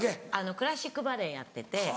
クラシックバレエやってて。